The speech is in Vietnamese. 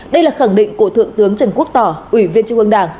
đây là khẳng định của thượng tướng trần quốc tỏ ủy viên trung ương đảng